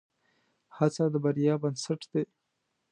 هڅه د بریا بنسټ دی.